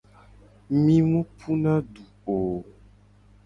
Mi mu puna du o.